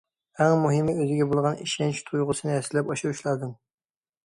ئەك مۇھىمى ئۆزىگە بولغان ئىشەنچ تۇيغۇسىنى ھەسسىلەپ ئاشۇرۇش لازىم.